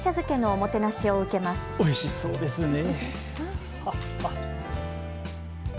おいしそうですね。